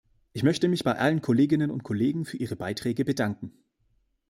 Ich möchte mich bei allen Kolleginnen und Kollegen für ihre Beiträge bedanken.